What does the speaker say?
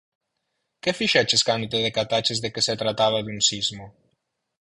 Que fixeches cando te decataches de que se trataba dun sismo?